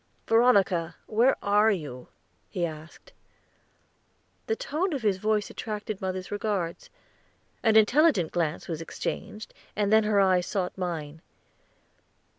"Veronica, where are you?" he asked. The tone of his voice attracted mother's regards; an intelligent glance was exchanged, and then her eyes sought mine.